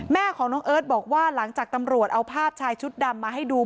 แม่ของน้องเอิร์ทบอกว่าหลังจากตำรวจเอาภาพชายชุดดำมาให้ดู